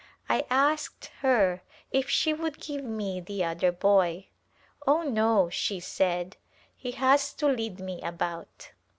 I asked her if she would give me the other boy. "Oh, no," she said, " he has to lead me about."